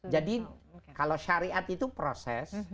jadi kalau syariat itu proses